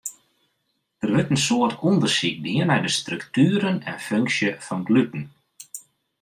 Der wurdt in soad ûndersyk dien nei de struktueren en funksje fan gluten.